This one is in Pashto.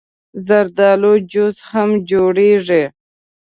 زردالو جوس هم جوړېږي.